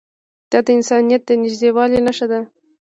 دا د انسانیت د نږدېوالي نښه ده.